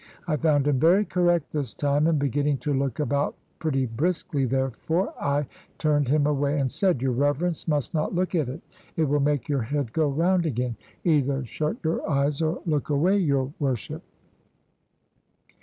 I found him very correct this time, and beginning to look about pretty briskly, therefore I turned him away and said, "Your Reverence must not look at it it will make your head go round again; either shut your eyes or look away, your Worship."